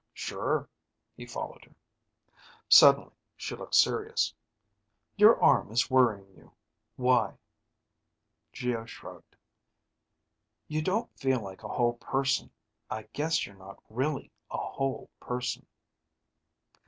"Sure." He followed her. Suddenly she looked serious. "Your arm is worrying you. Why?" Geo shrugged. "You don't feel like a whole person. I guess you're not really a whole person."